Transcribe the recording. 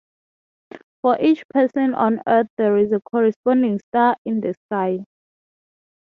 For each person on earth there is a corresponding star in the sky.